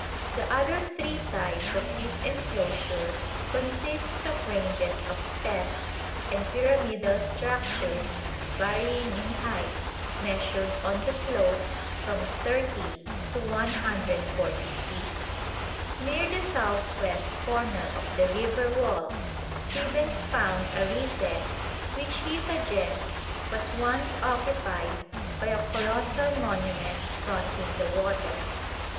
The other three sides of this enclosure consist of ranges of steps and pyramidal structures varying in height, measured on the slope, from 30 to 140 feet. Near the south west corner of the river wall Stephens found a recess which he suggests was once occupied by a colossal monument fronting the water.